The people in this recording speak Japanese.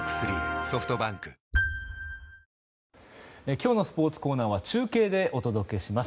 今日のスポーツコーナーは中継でお届けします。